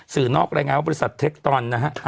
สื่อนอกอะไรไงว่าบริษัทเทคตอนนะฮะ